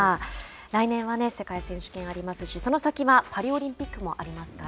来年は世界選手権がありますしその先はパリオリンピックもありますから。